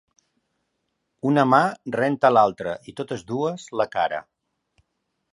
Una mà renta l'altra i, totes dues, la cara.